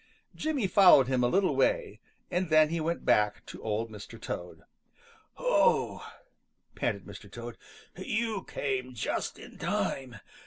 Jimmy followed him a little way, and then he went back to Old Mr. Toad. "Oh," panted Mr. Toad, "you came just in time!